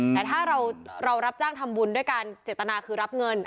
แต่ถ้าเรารับจ้างทำบุญด้วยการเจตนาคือรับเงิน